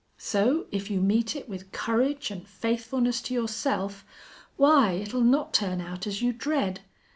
So if you meet it with courage an' faithfulness to yourself, why, it'll not turn out as you dread....